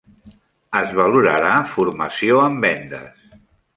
Es valorarà formació en vendes.